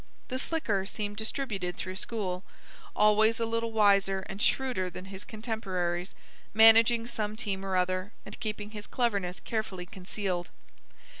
The slicker seemed distributed through school, always a little wiser and shrewder than his contemporaries, managing some team or other, and keeping his cleverness carefully concealed.